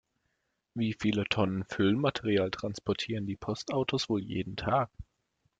Wie viele Tonnen Füllmaterial transportieren die Postautos wohl jeden Tag?